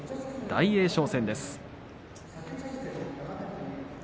大栄翔戦です。